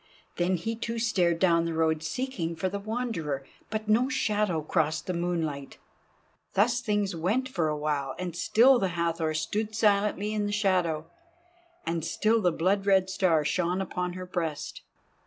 Then he too stared down the road seeking for the Wanderer, but no shadow crossed the moonlight. Thus things went for awhile, and still the Hathor stood silently in the shadow, and still the blood red star shone upon her breast.